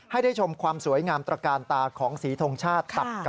ให้ได้ชมความสวยงามตระการตาของศรีธงชาติ